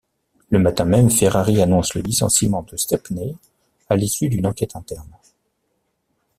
Le matin même, Ferrari annonce le licenciement de Stepney à l'issue d'une enquête interne.